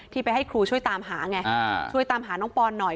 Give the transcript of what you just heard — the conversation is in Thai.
ไปให้ครูช่วยตามหาไงช่วยตามหาน้องปอนหน่อย